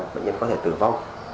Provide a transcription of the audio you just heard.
bệnh nhân có thể tử vong